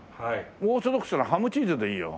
オーソドックスなハムチーズでいいよ。